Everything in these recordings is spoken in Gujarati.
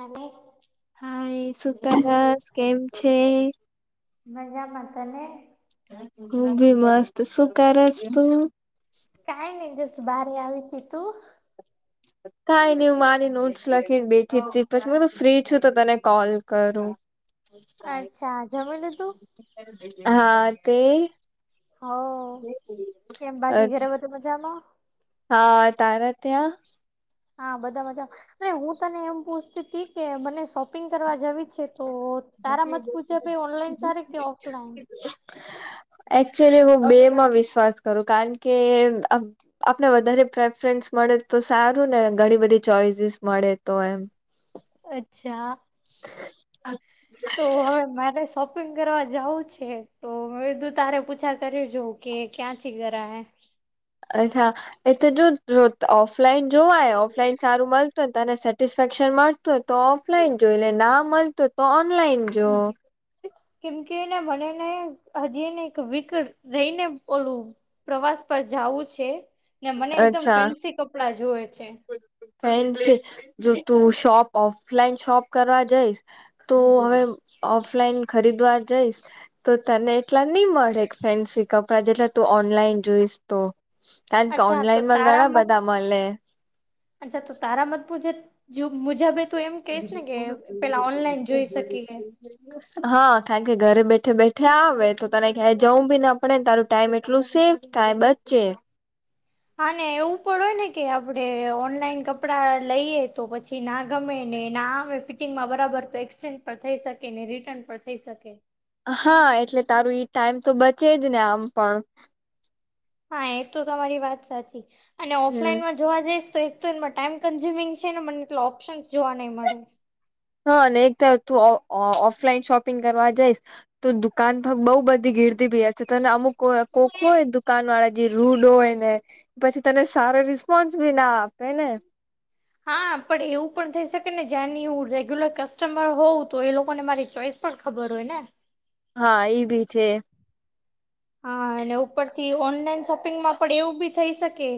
અને હા એ શુંક બસ કેમ છે મજા માતાલે ખું બી મસ્ત સુું કરસ તું કઈ નઈ દિવસ ભારી આવી હતી તું કાઈ નને હું મારી નોટ્સ લખીને બેઠી જ હતી પછી તું ફ્રી છું તો તને કોલ કરું અચ્છા જમીલ તું હા તે હ કેમ બાકી અચ્છ ઘેરે બધ મજામાં હા તારત્યા હા બધા બધા અને હું તને એમ પૂછતી હતી કે મને શપિંગ કરવા જવી છે તો તારા મત પૂછે ભાઈ ઓનલાઈન સારે કે ઓફલાઈન [unintelligible] એકચુઅલી હું બે માં વિશ્વાસ કરું કારણ કે આપને વધારે પ્રેફરન્સ મળે તો સારું ને ઘણી બધી ચોઈસીસ મળે તો એમ અચ્છા અ તો હવે મારે શોપિંગ કરવા જવું છે તો હ બીધું તારે પૂછા કરી જોઉં કે ક્યાં ચીખ જ હૈ અચ્છા એ તો જો જો ઓફલાઈન જોવાય ઓફલાઈન સારું મળત તને સેટિસફેક્શન મળતું હોય તો ઓફલાઈન જો એટલે ના મળત હોય તો ઓનલાઈન જો કેમ કે એને મનેને હજી એને એક વીક રહી ને ઓોલું પ્રવાસ પર જવું છે ને મને એકદમ અચ્છા ફેન્સી કપડા જોવે છે. ફેન જો તું શોપ ઓફલાઈન શોપ કરવા જઈશ તો હવે ઓફલાઈન ખરીદવાર જઈશ તો તને એટલા નહી મળે ફેન્સી કપડાં જેટલા તું ઓનલાઈન જોઈશ તો કારણ કે અચ્છા તો ઓનલાઈન માં તારા ઘણા મત બધા મળે અચ્છા તો તારા મત મુજ જો મુજાબ તું એમ કશ ને કે પેલા ઓનલાઈન જોઈ શકીએ બ હા કારણ કે ઘરે બેઠે બેઠે આવે તો તને ક્યાંય જવું બી ના પડે ને તારું ટાઈમ એટલું સેવ સાહેબધ છે. હાને એવું પણ હોય ને કે આપડે ઓનલાઈન કપડાં લઈએ તો પછી નાખ ગમે ને ના ફિટિંગમાં બરાબર તો એક્સચેન્જ પણ થઈ શકે ને રિટર્ન પણ થઈ શકે હા એટલે તારું ઈ ટાઈમ તો બચે જ ને આમ પણ હા એ તો તમારી વાત સાચી અને હમ ઓફલાઈનમાં જોવા જઈશ તો એક તો એમાં ટાઈમ કન્ઝ્યુમિંગ છે ને મને એટ ઓપ્શનસ જોવા નહીં મળે હા ને એક તર તું ઓફલાઈન શોપિંગ કરવા જઈશ તો દુકાન બઉુ બધી ગીરતી પીયાર છે તને અમુક કોકુંય દુકાન વાળા જે રૂડ હોય ને પછી તને સારો રિસ્પોન્સ બી ના આપે ને હા પણ એવું પણ થઈ શકે ને જ્યાંની હું રેગ્યુલર કસ્ટમર હોઉં તો એ લોકોને મારી ચોઈસ પણ ખબર હોય ને હા એઈ ભી છે. હા અને ઉપરથી ઓનલાઈન શોપિંગમાં પણ એવું બી થઈ શકે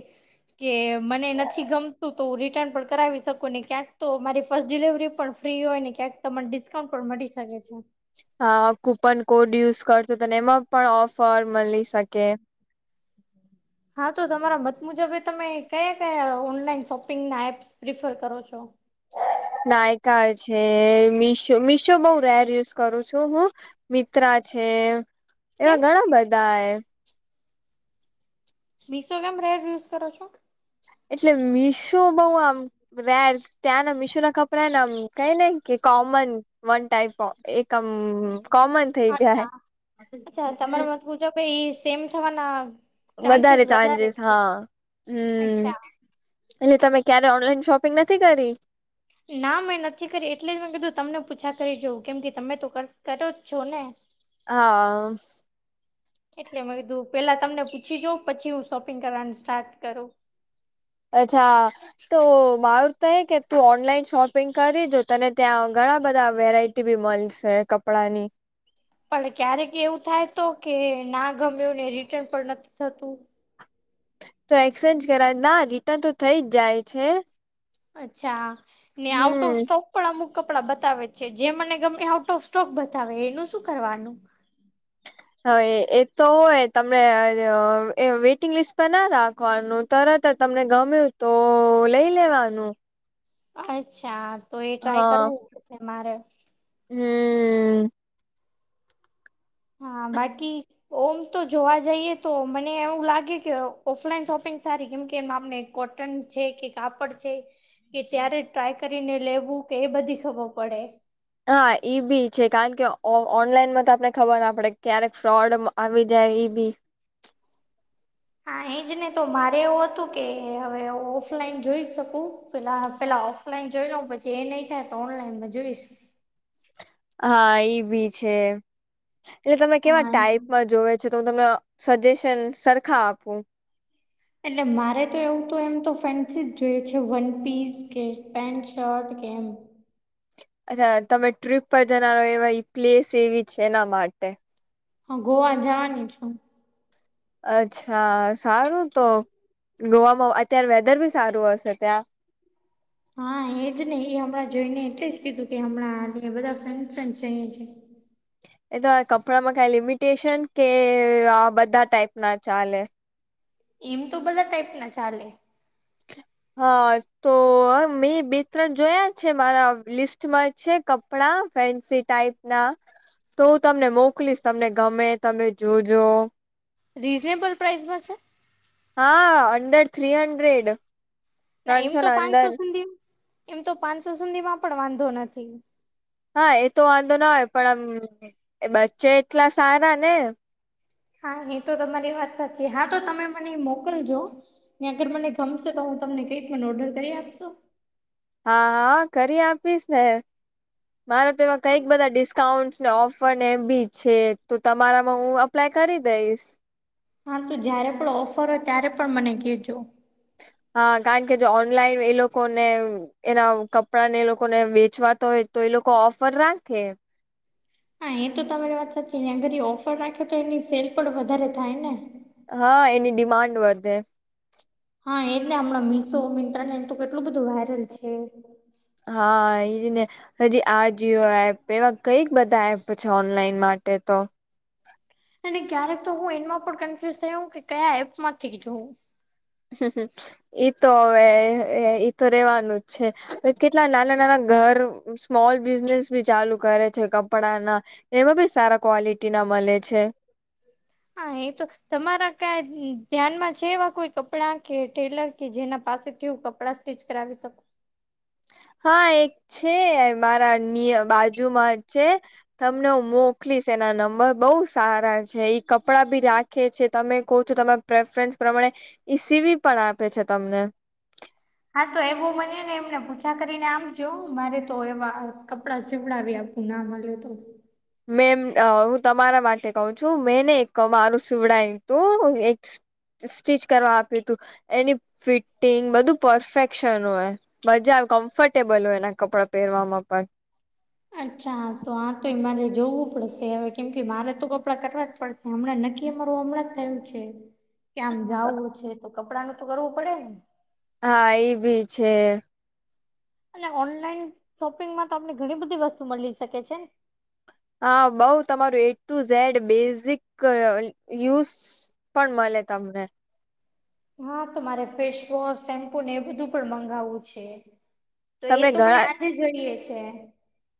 કે મને નથી ગમતું તો હું રિટર્ન પણ કરાવી શકું ને ક્યાંક તો મારી ફસ્ટ ડિલવરી પણ ફ્રી હોય ને ક્યાંક તમને ડિસ્કાઉન્ટ પણ મળી શકે છે. હા કૂપન કોડ યુઝ કરશો તોને એમાં પણ ઓફર મળી શકે હા તો તમારા મત મુજબે તમે કયા કયા ઓનલાઈન શોપિંગના એપ્સ પ્રિફર કરો છો. નાયકા છે મીશો મીશો બઉ રેર યુઝ કરું છું હું મિત્રા છે કેમ એવા ઘણા બધા એ બીસો ગ્રામ રેડ ુઝ કરો છ. એટલે મીશો બઉ આમ રેર ત્યાં ના મીશો ના કપડાને આમ કઈ ન કે કોમન વન ટાઈપ ઓ એકમ કોમન થઈ જાય પૂજા પ એ સેમ થવા ના વધારે ચાન્સીસ હા હમ અચ્છા. એટલે તમે ક્યારે ઓનલાઈન શોપિંગ નથી કરી ના મેં નથી કરી એટલે જ મેં કીધું તમને પૂછા કરી જોઉં કેમ કે તમે તો કરો છો ને હા એટલે મેં કધું પેલા તમને પૂછી જાઉ પછી હું શોપિંગ કરવાનું સ્ટાર્ટ કરું. અચ્છા તો મારું તો કે તું ઓનલાઈન શોપિંગ કરી જો તને ત્યાં ઘણા બધા વેરાઈટી ટીબી મોલ્સ હૈ કપડા ની પણ ક્યારેક એવું થાય તો કે ના ગમ્યું ને રિટર્ન પણ નથી થતું. તો એક્સચેન્જ કરાવ ના રિટર્ન તો થઇ જ જાય છે. અચ્છા ને આઉટ હમ ઓફ સ્ટોક ડા અમુક કપડા બતાવે છે જે મને ગમે આઉટ ઓફ સ્ટોક બતાવે એનું શું કરવાનું હવે એ તો હોય તમને વેઇટિંગ લિસ્ટ પર ના રાખવાનું તરત જ તમને ગમ્યું તો, લઈ લેવાનું. અચ્છા, તો એ ટ્રાય કરવું પડશે મારે. હમ્મ હા, બાકી. ઓમ તો જોવા જઈએ, તો મને એવું લાગે કે ઓ ઓફલાઈન શોપિંગ સારી, કેમ કે મા મેલ કોટન છે, કે કાપડ છે કે ત્યારે ટ્રાય કરીને લેવું કે એ બધી ખબર પડે. હા ઈ બી છે, કારણ કે ઓ ઓનલાઈનમાં તો આપને ખબર ના પડે, ક્યારેક ફ્રોડ મ આવી જાય ઈ બી. હા એજને, તો મારે એવું હતું કે હવે ઓફલાઈન જોઈ શકું, પેલા પેલા ઓફ ફલાઈન જોઈ લઉં, પછી એ નહીં થાય તો ઓનલાઈનમાં જોઈશું. હા ઈભી છે, એટલે તમે કેવા હા ટાઈપમાં જોવે છે, તો હું તમને સજેશન સરખા આપું. એટલે મારે તો એવું તો એમ તો ફેન્સી જ જોઈએ છે, વન પીસ, કે પેન્ટ શર્ટ કે એમ. અછા તમે ટ્રીપ પર જનારો એવા ઇ પ્લેસ એવી છે એના માટે. હા, ગોવા જવાની છું. અચ્છા, સારું તો ગોવામાં અત્યારે વેધર બી સારું હશે ત્યાં. હા એજ નઈ, એ હમણાં જોઈને એટલે જ કીધું, કે હમણાં અમે બધા ફ્રેન્ડ ફ્રેન્ડ જઈએ છે. એ તો કપડામાં કાઈ લિમિટેશન? કે આ બધા ટાઈપ ના ચાલે. એમ તો બધા ટાઈપ ના ચાલે. [inaudible] હા, તો અરે મેં બે ત્રણ જોયા છે, મારા લિસ્ટમાં છે કપ પડાં ફેન્સી ટાઈપ ના. તો હું તમને મોકલીશ, તમને ગમે તમે જોજો. રીઝનેબલ પ્રાઇસમાં છે? હા, અંડર થ્રી હંડ્રેડ. ના એમ ત્રણસો તો પાંચસો અંદર સુધી, એમ તો પાંચસો સુધીમાં પણ વાંધો નથી. હા એ તો વાંધો ના હોય, પણ આમ એ બચ્ચે એટલા સારા ને. હા એ તો તમારી વાત સાચી, હા તો તમે મને મોકલજો. ત્યાં આગળ મને ગમશે તો હું તમને કઈશ, મને ઓર્ડર કરી આપશો? હા હા, કરી આપીશ ને. મારે તો એવા કઈક બધા ડિસ્કાઉન્ટ ને ઓફર એ બી છે, તો તમારામાં હું અપ પ્લા કરી દઈશ. હા તો જયારે પણ ઓફર હોય, ત્યારે પણ મને કહેજો. હા કારણ કે, જો ઓનલાઈન એ લોકોને એના કપડાં ને એ લોકો ને વેચવાતા હોય, તો એ લોકો ઓફર રાખે. હા એ તો તમારી વાત સાચી, ત્યાં ઘડી ઓફર રાખે તો એની સેલ પણ વધારે થાય ને. હા એની ડિમાન્ડ વધે. હા એને હમણાં મિશો, મિન્ત્રા ને બધું કેટલું બધું વાયરલ છે. હા એજને. હજી આ જિ ઓ એપ, એવા કઈક બધા એપ છે ઓનલાઈન માટે તો. અને ક્યારેક તો હું એમાં પણ કન્ફ્યુઝ થયાવ કે કયા એપમાંથી જોઉં. ઈ તો હવે, અ ઈ તો રેવાનું જ છે, એજ કેટલા નાના નાના ઘર, સ્મોલ બિઝનેસ બી ચાલુ કરે છે કપડાના. એમાં બી સારા ક્વોલિટી ના મળે છે. હા એ તો તમારા કાઈ ધ્યાનમાં છે, એવા કોઈ કપડા કે ટેલર? કે જેના પાસેથી હુ કપડા સ્ટીચ કરાવી શકુ. હા એક છે, મારા નિ બાજુમાં છે. તમને હું મોકલીશ એના નંબર, બઉુ સારા છે, ઈ કપડાં બી રાખે છે, તમે કહો છો તમે પ્રેફરન્સ પ્રમાણે ઈ સીવી પણ આપે છે તમને. હા તો એવું મને ને, એમને પૂછા કરીને આમજો મારે તો એવા કપડાં સીવડાવ્યા આપ એ ના મલીયો તો. મેમ હું તમારા માટે કહ છું મેંને એક મારું સવડાય હતું એક. સ્ટિચ કરવા આપ્યું તું એની ફિટિંગ બધું પરફેક્શન હોય. મજા આવે કમ્ફર્ટેબલ હોય એના કપડાં પહેરવામાં પણ. અચ્છા તો આ તો એ મારે જોવું પડશે હવે કેમ કે મારે તો કપડાં કટવા જ પડશે. હમણાં નક્કી અમારું હમણાં જ થયું છે. કે આમ જવું છે તો કપડાંનું તો કરવું પડે ને. હા એ ભી છે. અને ઓનલાઈન શોપિંગમાં તો આપને ઘણી બધી વસ્તુ મળી શકે છે ને. હા બઉ તમારું A to Z basic use. સિફડ મળે તમને. હા તો મારે ફેસવોશ શેમ્પુ ને એ બધું પણ મંગાવવું છે. તો એ તમને તો મને ઘણા આજે જોઈએ છે.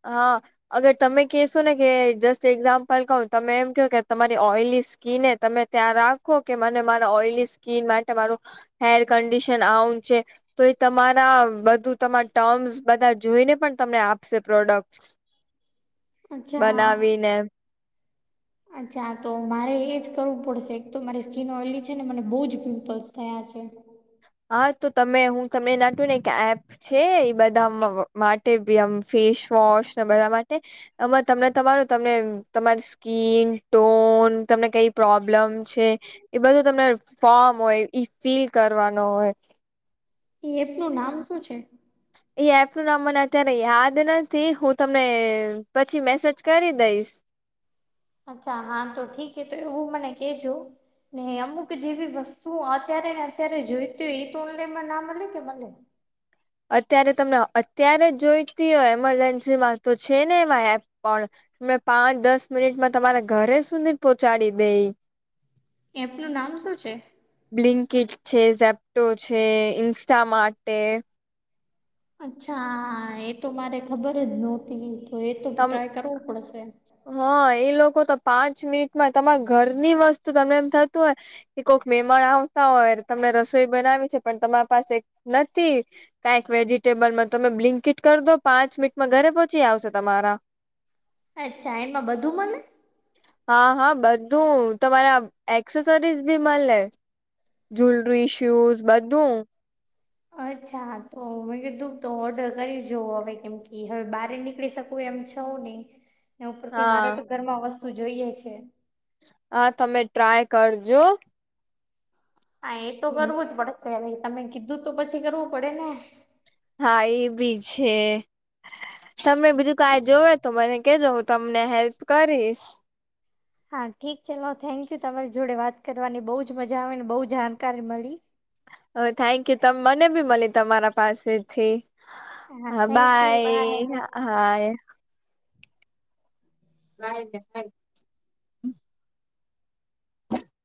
હા. અગર તમે કશો ને કે જસ્ટ એક્ઝામ્પલ કહ તમે એમ ક કે તમારી ઓઇલી સ્કીિન તમે ત્યાં રાખો કે મને મારા ઓઈલી સ્કીિન માટે મારું હેર કન્ડિશન આવું છે. તો એ તમારા બધું તમારા ટર્મસ બધા જોઈને પણ તમને આપશે. પ્રોડક્ટ અચ્છા. બનાવીને. અચ્છા તો મારે એજ કરવું પડશે એક તો મારી સ્કીિન ઓયલી છે ને મને બહુ જ પિમ્પલ્સ થયા છે. હા તો તમે હું તમને નાટ્યું ને એપ. છે એ બધા માટે આમ ફેસવોશ ને બધા માટે. આમાં તમને તમારું તમને તમારી. સ્કીન ટોન તમને કઈ પ્રોબ્લેમ છે. એ બધું તમને ફોર્મ હોય ઈ ફિલ કરવાનો હોય. એપ નું નામ શું છે. એ એપ ન નામ મને અત્યારે યાદ નથી હું તમને પછી મેસેજ કરી દઈશ. અચ્છા હા તો ઠીક હ તો એવું મને કેજો. ને અમુક જેવી વસ્તુ અત્યારે ને અત્યારે જોઈતી હોય એ તો ઓનલાઈનમાં ના મળે કે મળે. અત્યારે તમને અત્યારે જોઈતી હોય મરજન્સીમાં તો છે ને એમાં એપ પણ. મે પાંચ દસ મિનિટમાં તમારા ઘરે સુધી પહોંચાડી દઈ. એપ નું નામ શું છે. બ્લિંકટ છે ઝેપ્ટો છે ઇન્સ્ટા માટે. અચ્છા એ તો મારે ખબર જ નહોતી તો એ તો તમ ટ્રાય કરવો પડશે. હા એ લોકો તો પાંચ મિનિટમાં તમારા ઘરની વસ્તુ તમને એમ થતું હોય. એકક મમાન આવતા હોય તમને રસોઈ બનાવી છે પણ તમારી પાસે નથી. કાંઈક વેજિટેબલમાં તમે બ્લિંકીટ કર દો પાંચ મિનટમાં ઘરે પહોંચી આવશે. તમારા. અચ્છા એમાં બધું મને. હા હા બધું તમારા એક્સેસરીઝ ભી મળે. જવેલરી શૂઝ બધું. અચ્છા તો મેં કીધું તો ઓર્ડર કરી જોવ હવે કેમ કે હવે બાર નીકળી શક એમ છઉું નહી ઉપરથી હા મારે તો ઘર માં વસ્તુ જોઈએ છે. હા તમે ટ્રાય કરજો. હા એ તો કરવું જ પડશે તમે કીધું તો પછી કરવું પડે ને. હા એ બી છે તમને બીજું કાઈ જોવે તો મને કેજો. તમને હેલ્પ કરીશ. હા ઠીક છે હ થેન્કયુ તમારી જોડે વાત કરવાની બહુ જ મજા આવે ને બહુ જાણકારી મળી. હ થેન્ક યુ ત મને ભી મળી તમારા પાસેથી. હા બાય હા [unintelligible] [unintelligible] [inaudible]